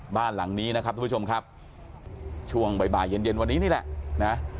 บ้านหลังนี้นะครับทุกผู้ชมครับช่วงบ่ายเย็นเย็นวันนี้นี่แหละนะ